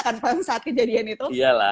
kan pada saat kejadian itu